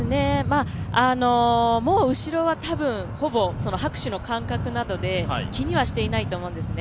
もう後ろはほぼ拍手の間隔などで気にはしていないと思うんですね。